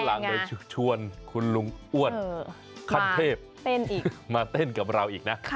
เดี๋ยววันหลังโดยชวนคุณลุงอ้วนคันเทพมาเต้นกับเราอีกนะ